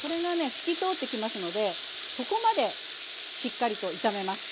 透き通ってきますのでそこまでしっかりと炒めます。